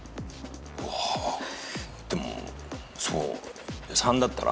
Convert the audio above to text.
でもそう３だったら？